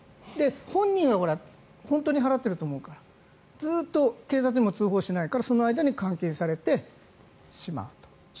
本人は本当に払っていると思うからずっと警察にも通報しないからその間に換金されてしまうと。